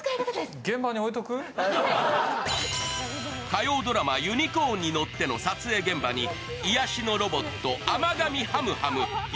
火曜ドラマ「ユニコーンに乗って」の撮影現場に癒やしのロボット甘噛みハムハム。